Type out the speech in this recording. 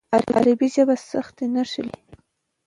عربي ژبه خوځښتي نښې لري.